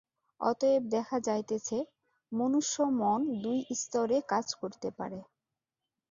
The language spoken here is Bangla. অতএব দেখা যাইতেছে, মনুষ্য-মন দুই স্তরে কাজ করিতে পারে।